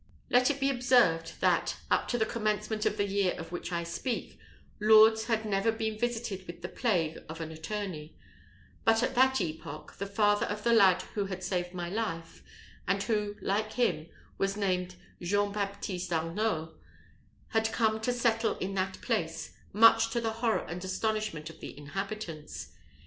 Let it be observed, that, up to the commencement of the year of which I speak, Lourdes had never been visited with the plague of an attorney; but at that epoch, the father of the lad who had saved my life, and who, like him, was named Jean Baptiste Arnault, had come to settle in that place, much to the horror and astonishment of the inhabitants.